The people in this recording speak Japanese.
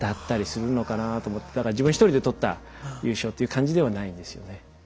だから自分１人で取った優勝という感じではないんですよね。